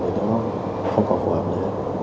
thì nó không còn phù hợp nữa